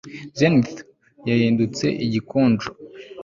Zenith yahindutse igikonjo